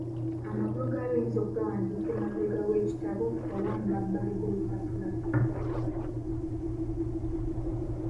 Amakulu gaabyo oyinza okugawandiika emabega w'ekitabo oba mumabbali g'olupapula.